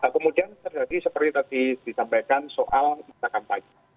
kemudian terjadi seperti tadi disampaikan soal masa kampanye